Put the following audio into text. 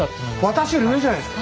私より上じゃないですか。